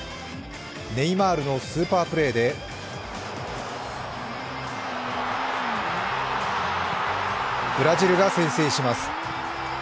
ネイマールのスーパープレーでブラジルが先制します。